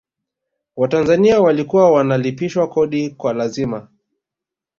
watanzania walikuwa wanalipishwa kodi kwa lazima